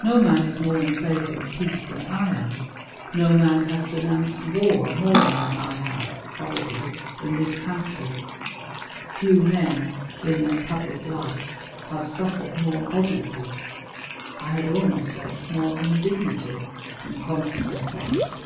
No man is more in favor of peace than I am; no man has denounced war more than I have, probably, in this country; few men in their public life have suffered more obloquy I had almost said, more indignity in consequence of it.